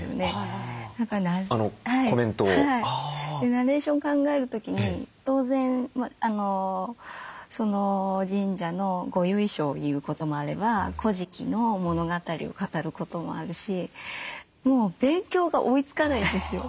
ナレーション考える時に当然その神社のご由緒を言うこともあれば「古事記」の物語を語ることもあるしもう勉強が追いつかないんですよ。